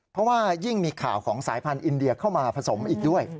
เพราะว่ายิ่งมีข่าวของสายพันธุ์อินเดียเข้ามาผสมอีกด้วย